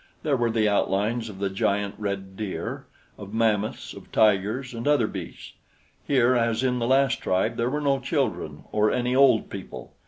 There were the outlines of the giant red deer, of mammoths, of tigers and other beasts. Here, as in the last tribe, there were no children or any old people.